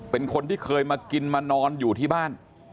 เป็นคนที่เคยมากินมานอนอยู่ที่บ้าน